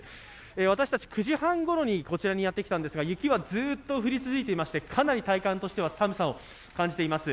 私たち９時半ごろにこちらにやってきたんですが、雪はずっと降り続いていまして、かなり体感としては寒さを感じています。